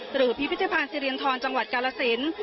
หรือพิพิธภัณฑ์สิรินทรจังหวัดกาลสิน